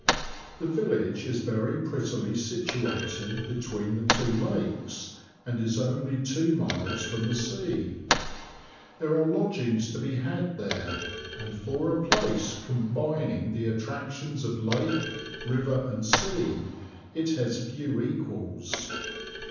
The village is very prettily situated between the two lakes, and is only two miles from the sea. There are lodgings to be had there, and for a place combining the attractions of lake, river, and sea, it has few equals.